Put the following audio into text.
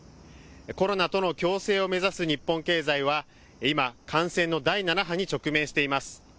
コロナとの共生を目指す日本経済は今、感染の第７波に直面しています。